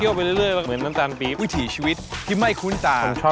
วิถีชีวิตที่ไม่คุ้นตา